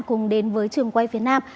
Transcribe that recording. cùng đến với trường quay phía nam